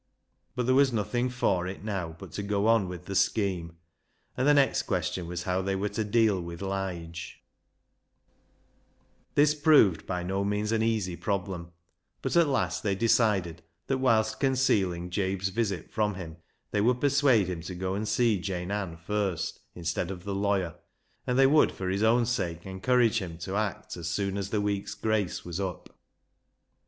But there was nothing for it now but to go on with the scheme, and the next question was how they were to deal with Lige, This proved by no means an easy problem, but at last they decided that, whilst concealing Jabe's visit from him, they would persuade him to go and see Jane Ann first instead of the lawyer, and they would for his own sake encourage him to act as soon as the week's grace was up.